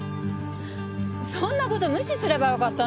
そんな事無視すればよかったのよ！